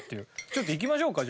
ちょっといきましょうか。